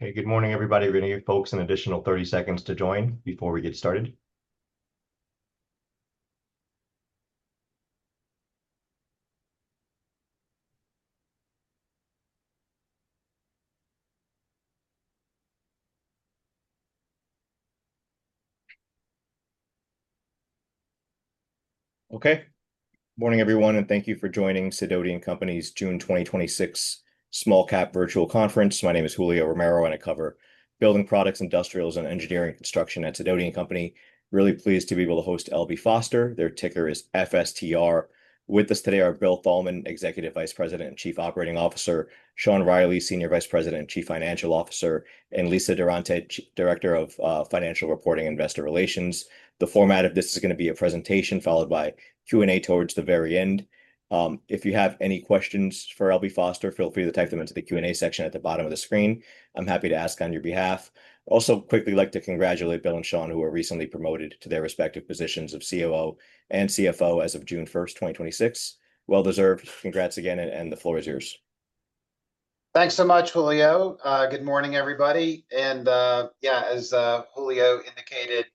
Good morning, everybody. We're going to give folks an additional 30 seconds to join before we get started. Morning, everyone, and thank you for joining Sidoti & Company's June 2026 Small-Cap Virtual Conference. My name is Julio Romero, and I cover building products, industrials, and engineering construction at Sidoti & Company. Really pleased to be able to host L.B. Foster. Their ticker is FSTR. With us today are Bill Thalman, Executive Vice President and Chief Operating Officer, Sean Reilly, Senior Vice President and Chief Financial Officer, and Lisa Durante, Director of Financial Reporting, Investor Relations. The format of this is going to be a presentation followed by Q&A towards the very end. If you have any questions for L.B. Foster, feel free to type them into the Q&A section at the bottom of the screen. I'm happy to ask on your behalf. Also, quickly like to congratulate Bill and Sean, who were recently promoted to their respective positions of COO and CFO as of June 1st, 2026. Well deserved. Congrats again, and the floor is yours. Thanks so much, Julio. Good morning, everybody. As Julio indicated,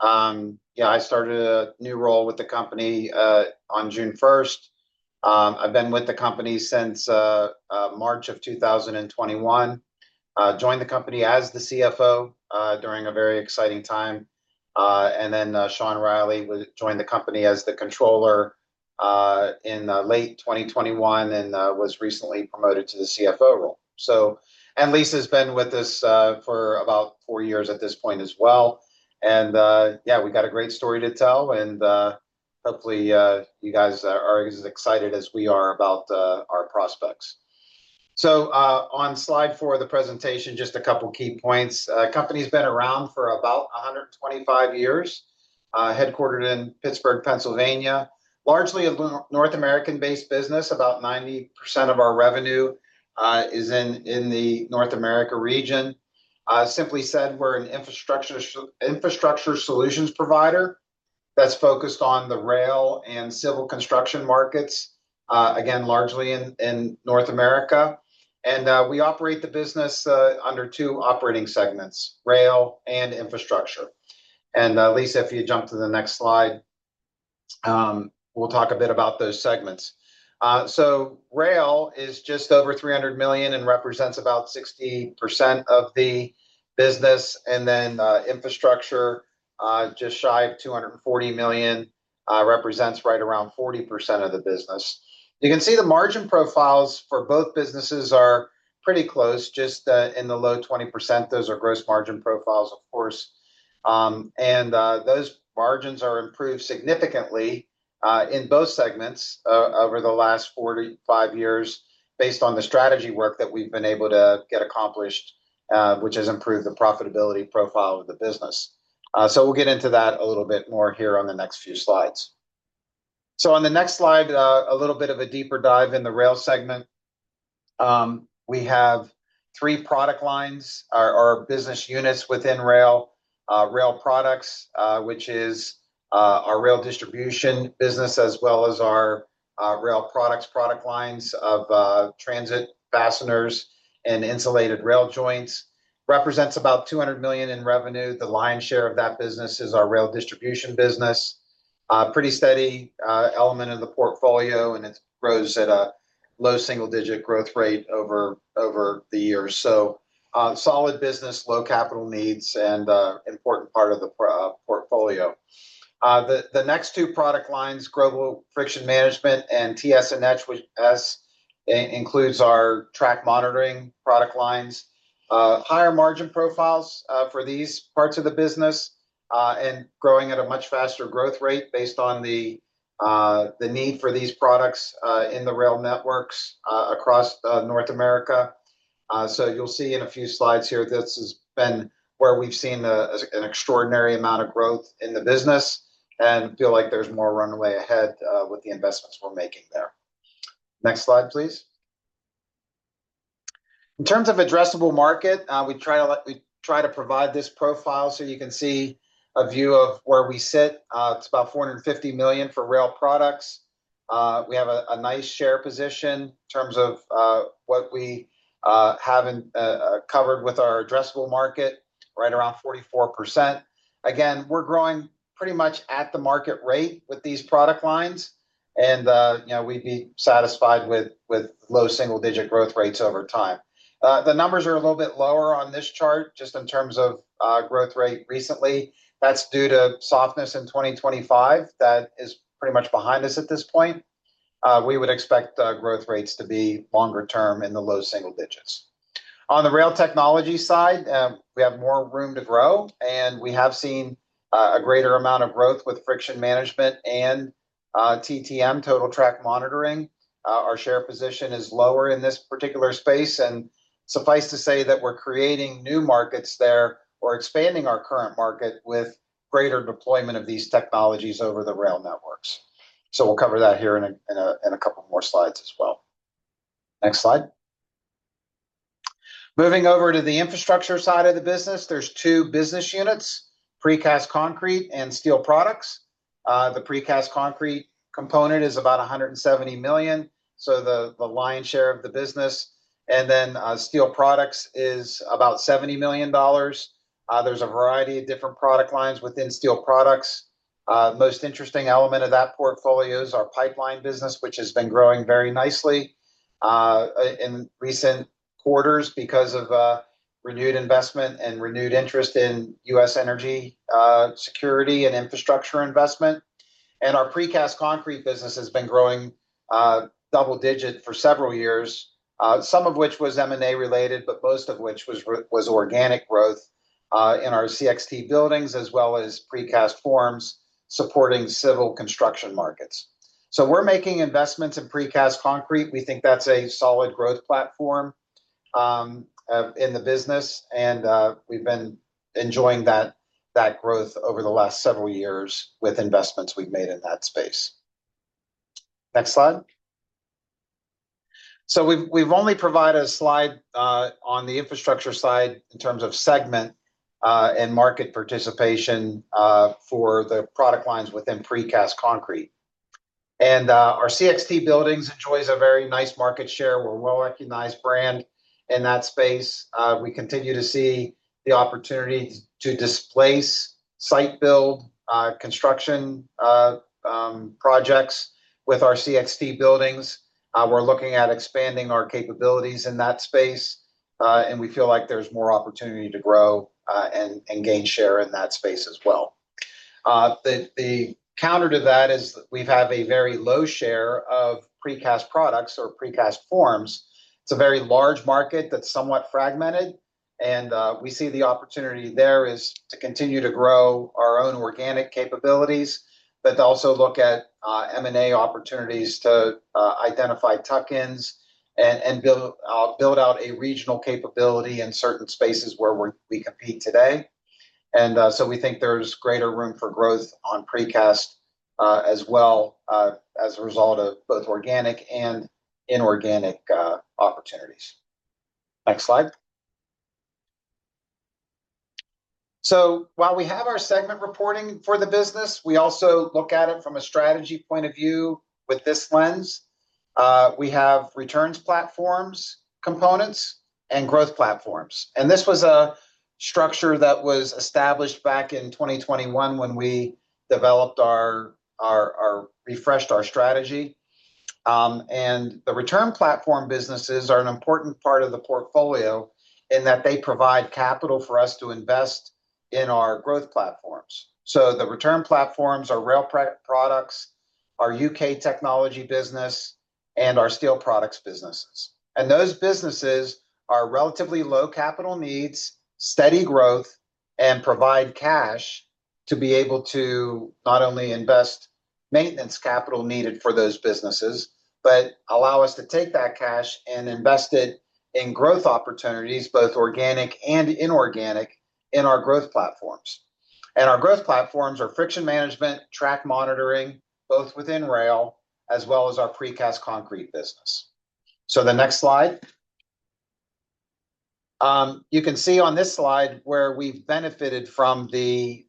I started a new role with the company on June 1st. I've been with the company since March of 2021. Joined the company as the CFO during a very exciting time. Sean Reilly joined the company as the Controller in late 2021 and was recently promoted to the CFO role. Lisa's been with us for about four years at this point as well. We got a great story to tell and hopefully you guys are as excited as we are about our prospects. On slide four of the presentation, just a couple of key points. Company's been around for about 125 years, headquartered in Pittsburgh, Pennsylvania. Largely a North American-based business. About 90% of our revenue is in the North America region. Simply said, we're an infrastructure solutions provider that's focused on the rail and civil construction markets, again, largely in North America. We operate the business under two operating segments: Rail and Infrastructure. Lisa, if you jump to the next slide, we'll talk a bit about those segments. Rail is just over $300 million and represents about 60% of the business. Infrastructure, just shy of $240 million, represents right around 40% of the business. You can see the margin profiles for both businesses are pretty close, just in the low 20%. Those are gross margin profiles, of course. Those margins are improved significantly in both segments over the last 45 years based on the strategy work that we've been able to get accomplished, which has improved the profitability profile of the business. We'll get into that a little bit more here on the next few slides. On the next slide, a little bit of a deeper dive in the Rail segment. We have three product lines or business units within Rail. Rail Products, which is our rail distribution business, as well as our Rail Products product lines of transit fasteners and insulated rail joints, represents about $200 million in revenue. The lion's share of that business is our rail distribution business. Pretty steady element of the portfolio, and it grows at a low single-digit growth rate over the years. Solid business, low capital needs, and important part of the portfolio. The next two product lines, Global Friction Management and TS&S, includes our track monitoring product lines. Higher margin profiles for these parts of the business, growing at a much faster growth rate based on the need for these products in the rail networks across North America. You'll see in a few slides here, this has been where we've seen an extraordinary amount of growth in the business and feel like there's more runway ahead with the investments we're making there. Next slide, please. In terms of addressable market, we try to provide this profile so you can see a view of where we sit. It's about $450 million for Rail Products. We have a nice share position in terms of what we haven't covered with our addressable market, right around 44%. We're growing pretty much at the market rate with these product lines and we'd be satisfied with low single-digit growth rates over time. The numbers are a little bit lower on this chart just in terms of growth rate recently. That's due to softness in 2025. That is pretty much behind us at this point. We would expect growth rates to be longer term in the low single digits. On the rail technology side, we have more room to grow, and we have seen a greater amount of growth with Friction Management and TTM, Total Track Monitoring. Our share position is lower in this particular space, and suffice to say that we're creating new markets there or expanding our current market with greater deployment of these technologies over the rail networks. We'll cover that here in a couple more slides as well. Next slide. Moving over to the Infrastructure side of the business, there's two business units, Precast Concrete and Steel Products. The Precast Concrete component is about $170 million, the lion's share of the business. Steel Products is about $70 million. There's a variety of different product lines within Steel Products. Most interesting element of that portfolio is our pipeline business, which has been growing very nicely in recent quarters because of renewed investment and renewed interest in U.S. energy security and infrastructure investment. Our Precast Concrete business has been growing double digit for several years. Some of which was M&A related, but most of which was organic growth in our CXT buildings, as well as precast forms supporting civil construction markets. We're making investments in Precast Concrete. We think that's a solid growth platform in the business, and we've been enjoying that growth over the last several years with investments we've made in that space. Next slide. We've only provided a slide on the infrastructure side in terms of segment and market participation for the product lines within Precast Concrete. Our CXT buildings enjoys a very nice market share. We're a well-recognized brand in that space. We continue to see the opportunity to displace site build construction projects with our CXT buildings. We're looking at expanding our capabilities in that space, and we feel like there's more opportunity to grow, and gain share in that space as well. The counter to that is we have a very low share of precast products or precast forms. It's a very large market that's somewhat fragmented, and we see the opportunity there is to continue to grow our own organic capabilities, but to also look at M&A opportunities to identify tuck-ins and build out a regional capability in certain spaces where we compete today. We think there's greater room for growth on Precast, as well as a result of both organic and inorganic opportunities. Next slide. While we have our segment reporting for the business, we also look at it from a strategy point of view with this lens. We have returns platforms components and growth platforms. This was a structure that was established back in 2021 when we refreshed our strategy. The return platform businesses are an important part of the portfolio in that they provide capital for us to invest in our growth platforms. The return platforms, our Rail Products, our U.K. technology business, and our Steel Products businesses. Those businesses are relatively low capital needs, steady growth, and provide cash to be able to not only invest maintenance capital needed for those businesses, but allow us to take that cash and invest it in growth opportunities, both organic and inorganic, in our growth platforms. Our growth platforms are Friction Management, Track Monitoring, both within Rail, as well as our Precast Concrete business. The next slide. You can see on this slide where we've benefited from the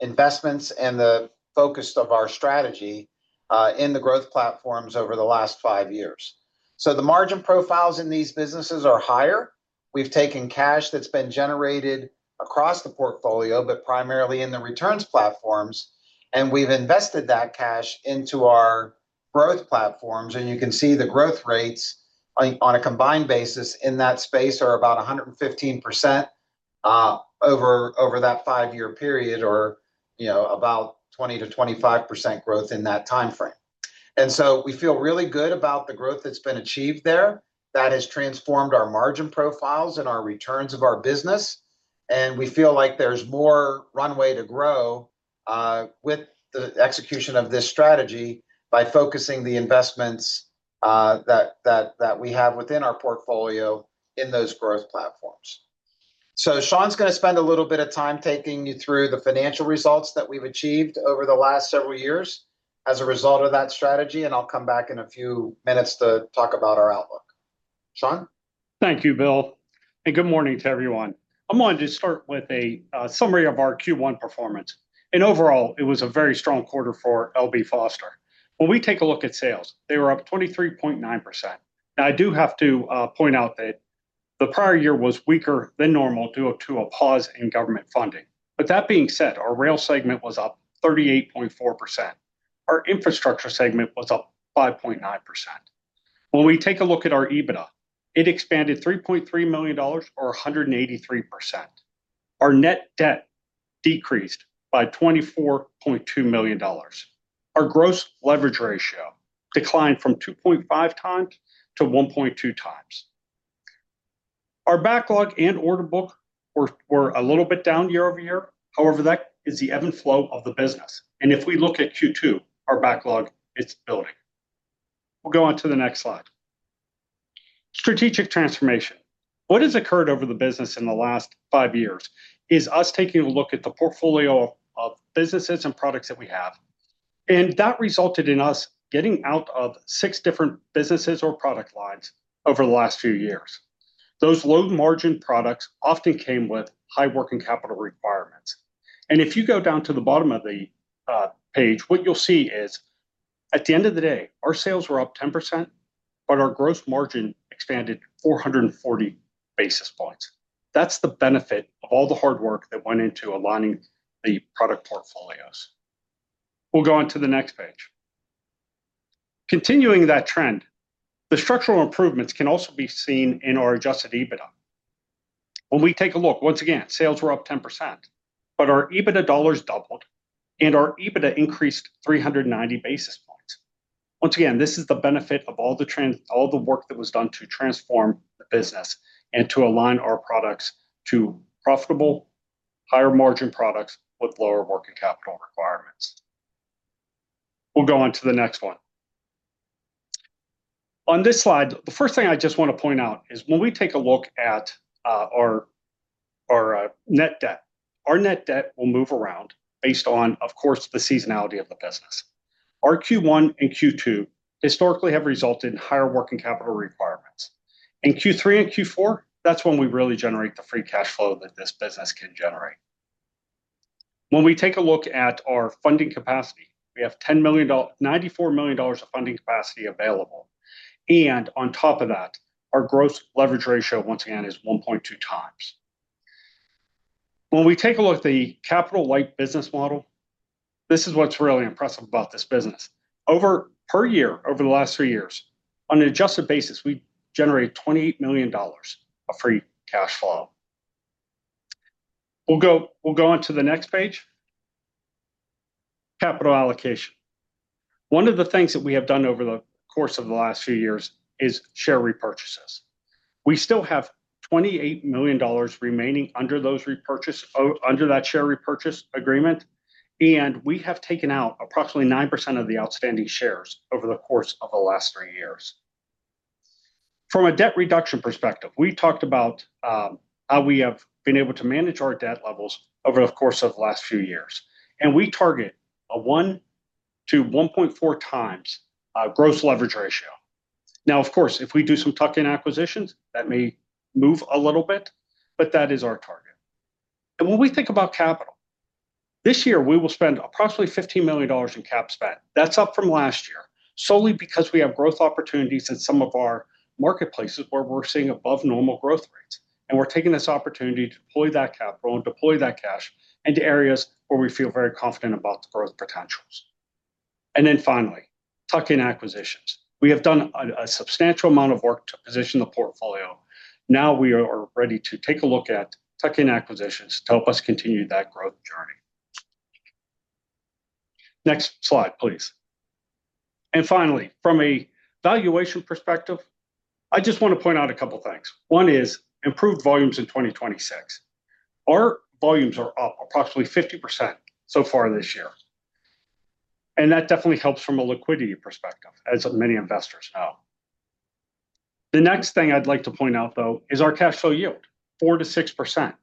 investments and the focus of our strategy in the growth platforms over the last five years. The margin profiles in these businesses are higher. We've taken cash that's been generated across the portfolio, but primarily in the returns platforms, and we've invested that cash into our growth platforms. You can see the growth rates on a combined basis in that space are about 115% over that five-year period or about 20%-25% growth in that timeframe. We feel really good about the growth that's been achieved there, that has transformed our margin profiles and our returns of our business, and we feel like there's more runway to grow with the execution of this strategy by focusing the investments that we have within our portfolio in those growth platforms. Sean's going to spend a little bit of time taking you through the financial results that we've achieved over the last several years as a result of that strategy, and I'll come back in a few minutes to talk about our outlook. Sean? Thank you, Bill, good morning to everyone. I'm going to start with a summary of our Q1 performance. Overall, it was a very strong quarter for L.B. Foster. When we take a look at sales, they were up 23.9%. Now, I do have to point out that the prior year was weaker than normal due to a pause in government funding. That being said, our Rail segment was up 38.4%. Our Infrastructure segment was up 5.9%. When we take a look at our EBITDA, it expanded $3.3 million or 183%. Our net debt decreased by $24.2 million. Our gross leverage ratio declined from 2.5x to 1.2x. Our backlog and order book were a little bit down year-over-year. However, that is the ebb and flow of the business. If we look at Q2, our backlog is building. We'll go on to the next slide. Strategic transformation. What has occurred over the business in the last five years is us taking a look at the portfolio of businesses and products that we have. That resulted in us getting out of six different businesses or product lines over the last few years. Those low-margin products often came with high working capital requirements. If you go down to the bottom of the page, what you'll see is, at the end of the day, our sales were up 10%, but our gross margin expanded 440 basis points. That's the benefit of all the hard work that went into aligning the product portfolios. We'll go on to the next page. Continuing that trend, the structural improvements can also be seen in our adjusted EBITDA. When we take a look, once again, sales were up 10%, but our EBITDA dollars doubled, and our EBITDA increased 390 basis points. Once again, this is the benefit of all the work that was done to transform the business and to align our products to profitable higher-margin products with lower working capital requirements. We'll go on to the next one. On this slide, the first thing I just want to point out is when we take a look at our net debt, our net debt will move around based on, of course, the seasonality of the business. Our Q1 and Q2 historically have resulted in higher working capital requirements. In Q3 and Q4, that's when we really generate the free cash flow that this business can generate. When we take a look at our funding capacity, we have $94 million of funding capacity available. On top of that, our gross leverage ratio, once again, is 1.2x. When we take a look at the capital-light business model, this is what's really impressive about this business. Per year, over the last three years, on an adjusted basis, we generate $28 million of free cash flow. We'll go on to the next page. Capital allocation. One of the things that we have done over the course of the last few years is share repurchases. We still have $28 million remaining under that share repurchase agreement. We have taken out approximately 9% of the outstanding shares over the course of the last three years. From a debt reduction perspective, we talked about how we have been able to manage our debt levels over the course of the last few years. We target a 1x to 1.4x gross leverage ratio. Now, of course, if we do some tuck-in acquisitions, that may move a little bit, but that is our target. When we think about capital, this year we will spend approximately $15 million in cap spend. That is up from last year, solely because we have growth opportunities in some of our marketplaces where we are seeing above-normal growth rates, and we are taking this opportunity to deploy that capital and deploy that cash into areas where we feel very confident about the growth potentials. Then finally, tuck-in acquisitions. We have done a substantial amount of work to position the portfolio. Now we are ready to take a look at tuck-in acquisitions to help us continue that growth journey. Next slide, please. Finally, from a valuation perspective, I just want to point out a couple things. One is improved volumes in 2026. Our volumes are up approximately 50% so far this year, and that definitely helps from a liquidity perspective, as many investors know. The next thing I would like to point out, though, is our cash flow yield, 4%-6%.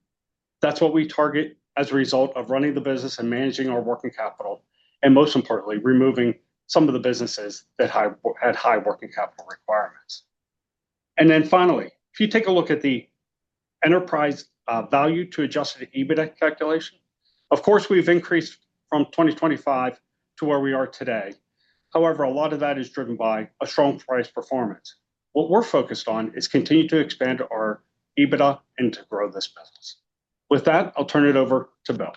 That is what we target as a result of running the business and managing our working capital, and most importantly, removing some of the businesses that had high working capital requirements. Then finally, if you take a look at the enterprise value to adjusted EBITDA calculation, of course, we have increased from 2025 to where we are today. However, a lot of that is driven by a strong price performance. What we are focused on is continuing to expand our EBITDA and to grow this business. With that, I will turn it over to Bill.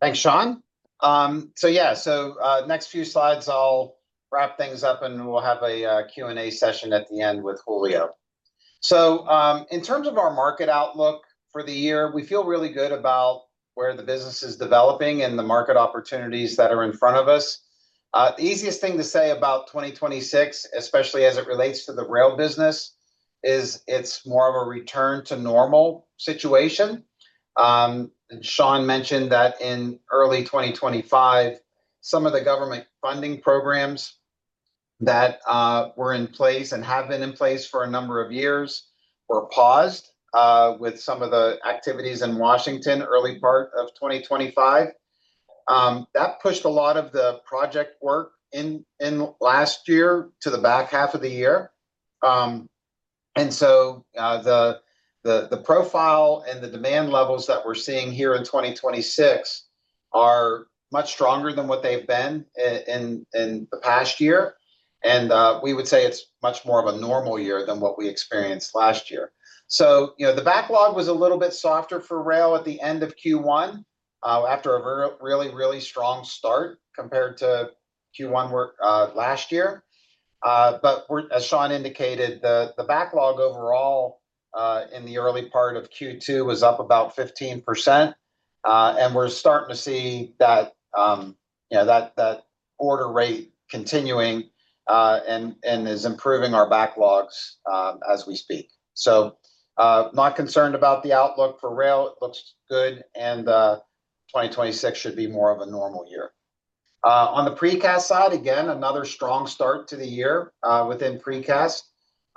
Thanks, Sean. Next few slides, I will wrap things up, and we will have a Q&A session at the end with Julio. In terms of our market outlook for the year, we feel really good about where the business is developing and the market opportunities that are in front of us. The easiest thing to say about 2026, especially as it relates to the rail business, is it is more of a return to normal situation. Sean mentioned that in early 2025, some of the government funding programs that were in place and have been in place for a number of years were paused with some of the activities in Washington early part of 2025. That pushed a lot of the project work in last year to the back half of the year. The profile and the demand levels that we are seeing here in 2026 are much stronger than what they have been in the past year. We would say it is much more of a normal year than what we experienced last year. The backlog was a little bit softer for rail at the end of Q1 after a really strong start compared to Q1 last year. As Sean indicated, the backlog overall in the early part of Q2 was up about 15%, and we are starting to see that order rate continuing and is improving our backlogs as we speak. Not concerned about the outlook for Rail. It looks good, and 2026 should be more of a normal year. On the Precast side, again, another strong start to the year within Precast.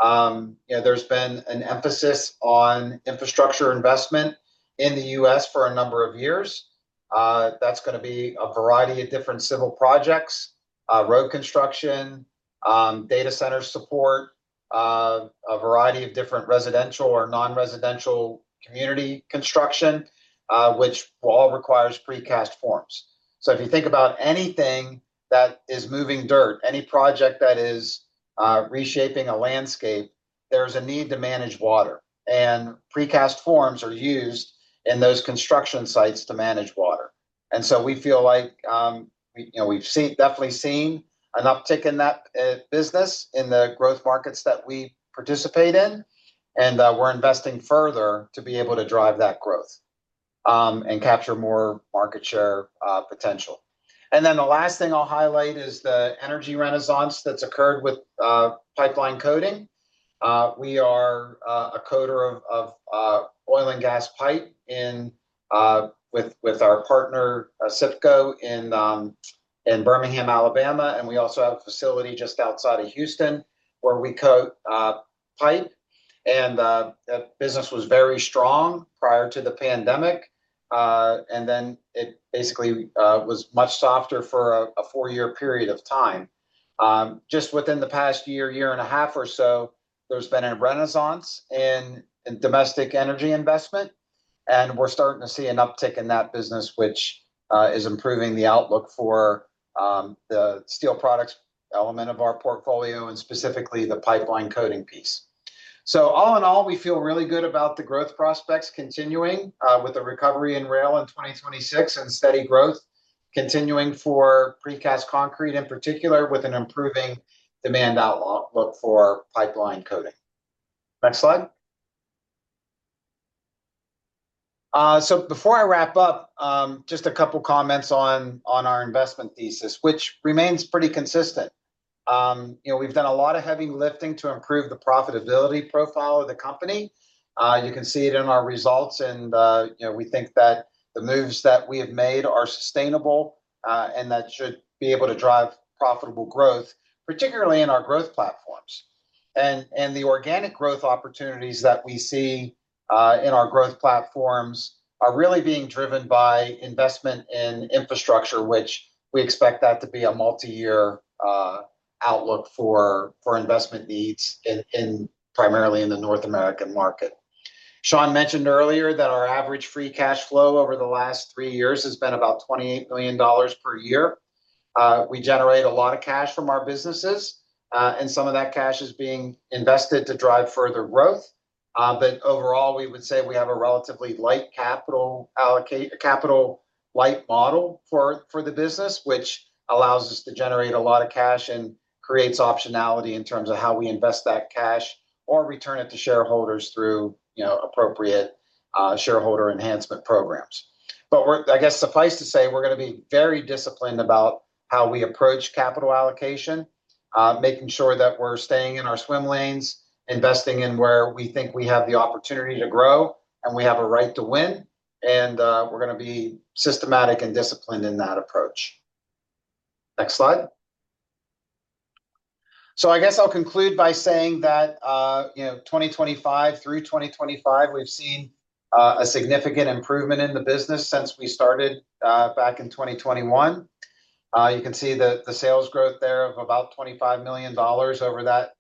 There has been an emphasis on infrastructure investment in the U.S. for a number of years. That's going to be a variety of different civil projects, road construction, data center support, a variety of different residential or non-residential community construction, which all requires precast forms. If you think about anything that is moving dirt, any project that is reshaping a landscape, there's a need to manage water, and precast forms are used in those construction sites to manage water. We feel like we've definitely seen an uptick in that business in the growth markets that we participate in, and we're investing further to be able to drive that growth and capture more market share potential. The last thing I'll highlight is the energy renaissance that's occurred with pipeline coating. We are a coater of oil and gas pipe with our partner, ACIPCO, in Birmingham, Alabama, and we also have a facility just outside of Houston where we coat pipe. That business was very strong prior to the pandemic. It basically was much softer for a four-year period of time. Just within the past year and a half or so, there's been a renaissance in domestic energy investment, and we're starting to see an uptick in that business, which is improving the outlook for the steel products element of our portfolio and specifically the pipeline coating piece. All in all, we feel really good about the growth prospects continuing with the recovery in rail in 2026 and steady growth continuing for Precast Concrete, in particular, with an improving demand outlook for pipeline coating. Next slide. Before I wrap up, just a couple of comments on our investment thesis, which remains pretty consistent. We've done a lot of heavy lifting to improve the profitability profile of the company. You can see it in our results, and we think that the moves that we have made are sustainable, and that should be able to drive profitable growth, particularly in our growth platforms. The organic growth opportunities that we see in our growth platforms are really being driven by investment in infrastructure, which we expect that to be a multi-year outlook for investment needs primarily in the North American market. Sean mentioned earlier that our average free cash flow over the last three years has been about $28 million per year. We generate a lot of cash from our businesses, and some of that cash is being invested to drive further growth. Overall, we would say we have a relatively capital-light model for the business, which allows us to generate a lot of cash and creates optionality in terms of how we invest that cash or return it to shareholders through appropriate shareholder enhancement programs. I guess suffice to say, we're going to be very disciplined about how we approach capital allocation, making sure that we're staying in our swim lanes, investing in where we think we have the opportunity to grow, and we have a right to win. We're going to be systematic and disciplined in that approach. Next slide. I guess I'll conclude by saying that through 2025, we've seen a significant improvement in the business since we started back in 2021. You can see the sales growth there of about $25 million over that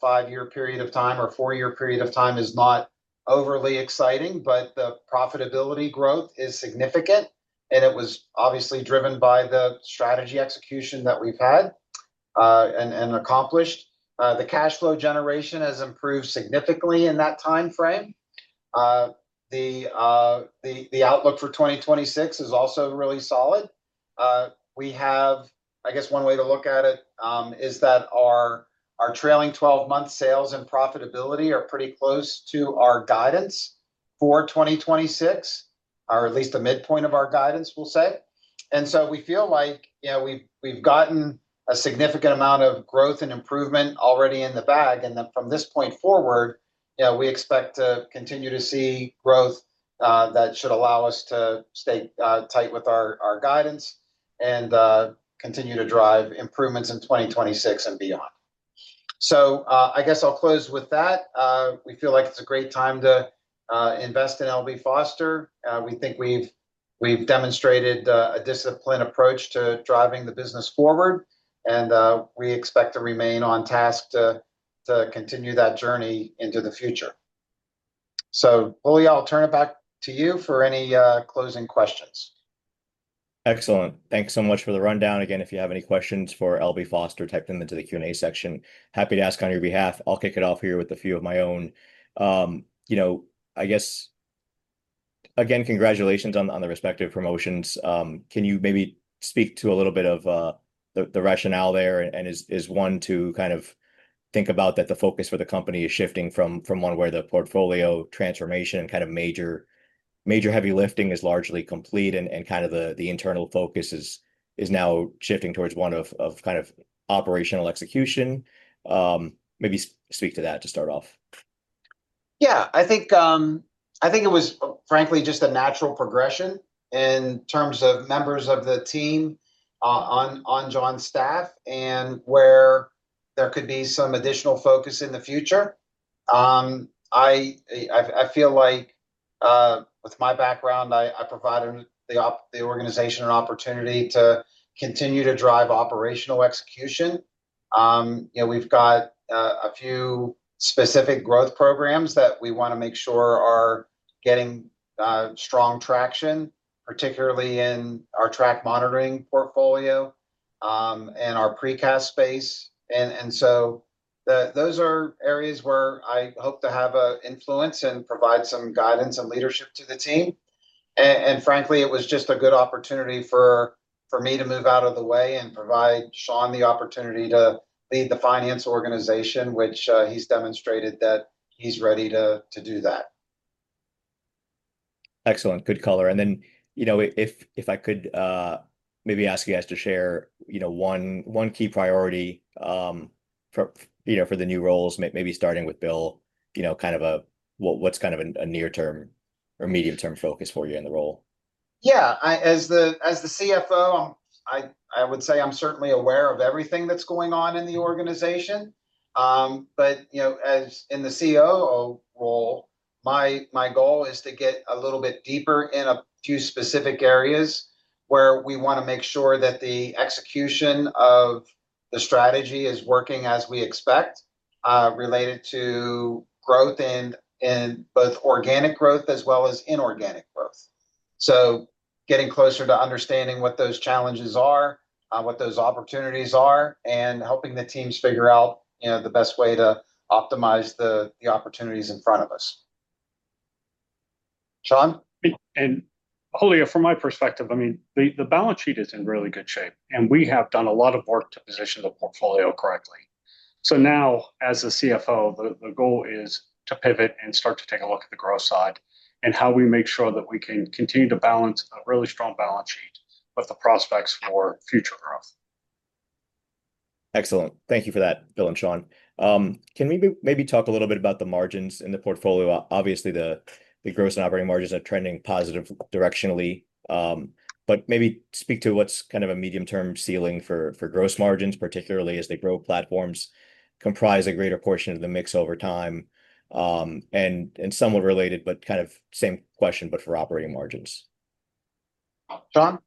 five-year period of time, or four-year period of time is not overly exciting, but the profitability growth is significant, and it was obviously driven by the strategy execution that we've had and accomplished. The cash flow generation has improved significantly in that timeframe. The outlook for 2026 is also really solid. I guess one way to look at it is that our trailing 12-month sales and profitability are pretty close to our guidance for 2026, or at least the midpoint of our guidance, we'll say. So we feel like we've gotten a significant amount of growth and improvement already in the bag. Then from this point forward, we expect to continue to see growth that should allow us to stay tight with our guidance and continue to drive improvements in 2026 and beyond. I guess I'll close with that. We feel like it's a great time to invest in L.B. Foster. We think we've demonstrated a disciplined approach to driving the business forward, and we expect to remain on task to continue that journey into the future. Julio, I'll turn it back to you for any closing questions. Excellent. Thanks so much for the rundown. Again, if you have any questions for L.B. Foster, type them into the Q&A section. Happy to ask on your behalf. I'll kick it off here with a few of my own. I guess, again, congratulations on the respective promotions. Can you maybe speak to a little bit of the rationale there? Is one to think about that the focus for the company is shifting from one where the portfolio transformation and major heavy lifting is largely complete and the internal focus is now shifting towards one of operational execution? Maybe speak to that to start off. Yeah, I think it was frankly just a natural progression in terms of members of the team on John's staff, and where there could be some additional focus in the future. I feel like with my background, I provide the organization an opportunity to continue to drive operational execution. We've got a few specific growth programs that we want to make sure are getting strong traction, particularly in our Total Track Monitoring portfolio, and our Precast Concrete space. So those are areas where I hope to have an influence and provide some guidance and leadership to the team. Frankly, it was just a good opportunity for me to move out of the way and provide Sean the opportunity to lead the finance organization, which he's demonstrated that he's ready to do that. Excellent. Good color. Then, if I could maybe ask you guys to share one key priority for the new roles, maybe starting with Bill. What's a near term or medium term focus for you in the role? As the CFO, I would say I'm certainly aware of everything that's going on in the organization. In the COO role, my goal is to get a little bit deeper in a few specific areas where we want to make sure that the execution of the strategy is working as we expect, related to growth in both organic growth as well as inorganic growth. Getting closer to understanding what those challenges are, what those opportunities are, and helping the teams figure out the best way to optimize the opportunities in front of us. Sean? Julio, from my perspective, the balance sheet is in really good shape, and we have done a lot of work to position the portfolio correctly. Now, as the CFO, the goal is to pivot and start to take a look at the growth side, and how we make sure that we can continue to balance a really strong balance sheet with the prospects for future growth. Excellent. Thank you for that, Bill and Sean. Can we maybe talk a little bit about the margins in the portfolio? Obviously, the gross and operating margins are trending positive directionally. Maybe speak to what's a medium term ceiling for gross margins, particularly as the growth platforms comprise a greater portion of the mix over time. Somewhat related, but kind of same question, but for operating margins. Sean?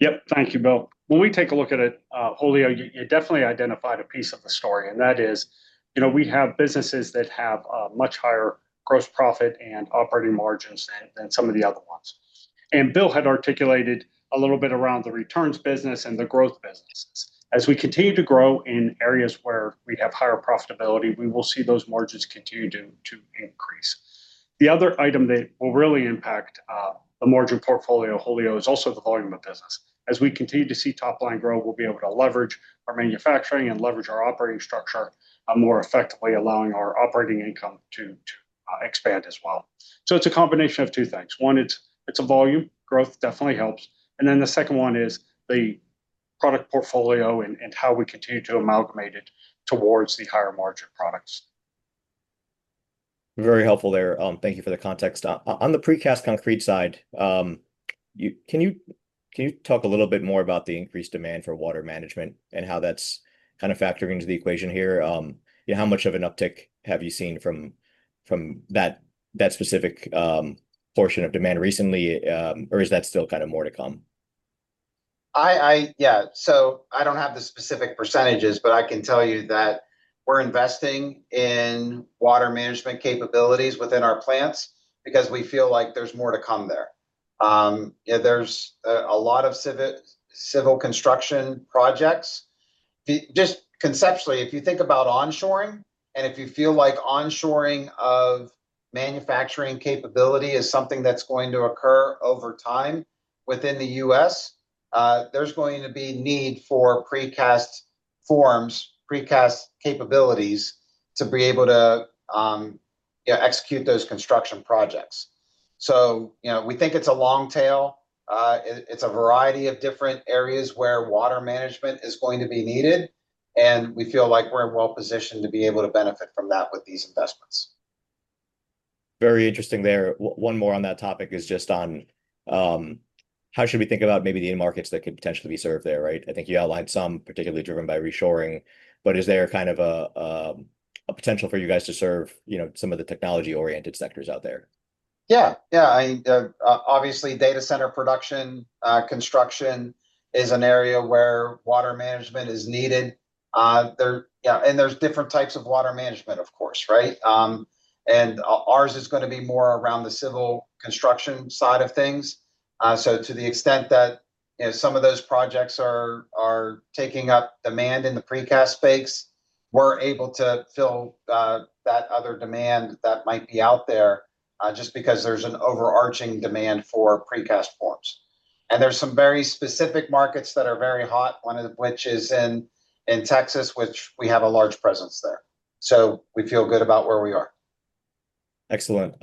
Yep. Thank you, Bill. When we take a look at it, Julio, you definitely identified a piece of the story, and that is, we have businesses that have a much higher gross profit and operating margins than some of the other ones. Bill had articulated a little bit around the returns business and the growth businesses. As we continue to grow in areas where we have higher profitability, we will see those margins continue to increase. The other item that will really impact the margin portfolio, Julio, is also the volume of business. As we continue to see top line grow, we'll be able to leverage our manufacturing and leverage our operating structure more effectively, allowing our operating income to expand as well. It's a combination of two things. One, it's volume, growth definitely helps. The second one is the product portfolio and how we continue to amalgamate it towards the higher margin products. Very helpful there. Thank you for the context. On the Precast Concrete side, can you talk a little bit more about the increased demand for water management, and how that's factoring into the equation here? How much of an uptick have you seen from that specific portion of demand recently, or is that still more to come? Yeah. I don't have the specific percentages, but I can tell you that we're investing in water management capabilities within our plants because we feel like there's more to come there. There's a lot of civil construction projects. Just conceptually, if you think about onshoring, and if you feel like onshoring of manufacturing capability is something that's going to occur over time within the U.S., there's going to be need for precast forms, precast capabilities to be able to execute those construction projects. We think it's a long tail. It's a variety of different areas where water management is going to be needed, and we feel like we're well positioned to be able to benefit from that with these investments. Very interesting there. One more on that topic is just on how should we think about maybe the end markets that could potentially be served there, right? I think you outlined some particularly driven by reshoring. Is there a potential for you guys to serve some of the technology oriented sectors out there? Yeah. Obviously, data center production, construction is an area where water management is needed. There's different types of water management, of course, right? Ours is going to be more around the civil construction side of things. To the extent that some of those projects are taking up demand in the precast space, we're able to fill that other demand that might be out there, just because there's an overarching demand for precast forms. There's some very specific markets that are very hot, one of which is in Texas, which we have a large presence there. We feel good about where we are. Excellent.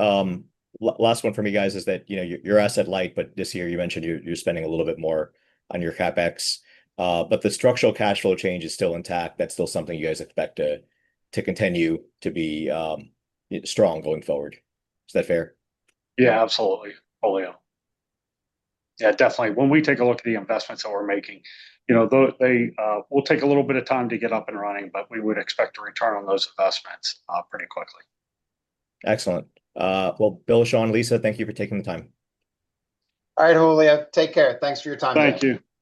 Last one from me, guys, is that you're asset light, this year you mentioned you're spending a little bit more on your CapEx. The structural cash flow change is still intact. That's still something you guys expect to continue to be strong going forward. Is that fair? Yeah, absolutely, Julio. Yeah, definitely. When we take a look at the investments that we're making, they will take a little bit of time to get up and running, we would expect a return on those investments pretty quickly. Excellent. Well, Bill, Sean, Lisa, thank you for taking the time. All right, Julio. Take care. Thanks for your time. Thank you. Thanks.